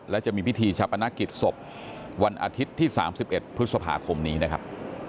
และจะมีพิธีชาปนกิจศพวันอาทิตย์ที่๓๑พฤษภาคมนี้นะครับ